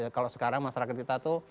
kalau sekarang masyarakat kita itu